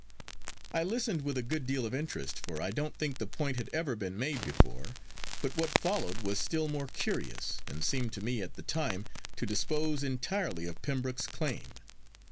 I listened with a good deal of interest, for I don't think the point had ever been made before; but what followed was still more curious, and seemed to me at the time to dispose entirely of Pembroke's claim.